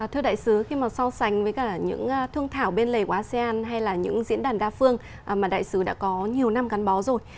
thưa đại sứ khi mà so sánh với cả những thương thảo bên lề của asean hay là những diễn đàn đa phương mà đại sứ đã có nhiều năm gắn bó rồi